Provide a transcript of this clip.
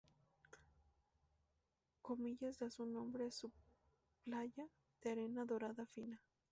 Comillas da su nombre a su playa, de arena dorada fina.